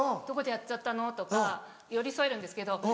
「どこでやっちゃったの？」とか寄り添えるんですけど